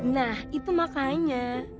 nah itu makanya